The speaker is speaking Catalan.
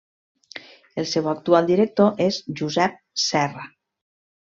El seu actual director és Josep Serra.